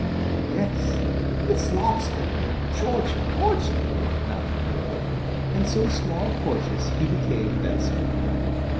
"Yes, it's lots better than Georgy Porgy," nodded the boy. And so Small Porges he became, thenceforth.